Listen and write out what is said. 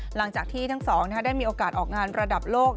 หลังจากที่ทั้งสองได้มีโอกาสออกงานระดับโลก